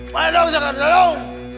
malah dong jangan jangan